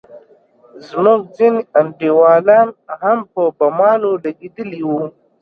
زموږ ځينې انډيولان هم په بمانو لگېدلي وو.